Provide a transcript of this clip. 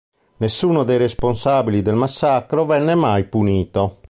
Nessuno dei responsabili del massacro venne mai punito.